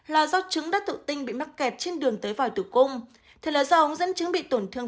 là do trứng đất tự tinh bị mắc kẹt trên đường tới vòi tử cung thì là do ông dẫn chứng bị tổn thương